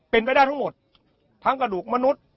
เป็นไปได้ทั้งหมดทั้งกระดูกมนุษย์